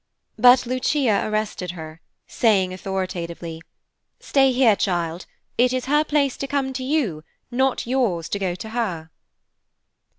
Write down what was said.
But Lucia arrested her, saying authoritatively, "Stay here, child. It is her place to come to you, not yours to go to her."